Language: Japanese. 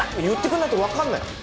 言ってくれないと分からない